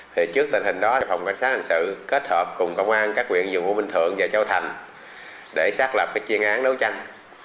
thì trước tình hình đó phòng cảnh sát hành sự kết hợp cùng công an các huyện dùng u minh thượng và châu thành để xác lập cái chuyên án đấu tranh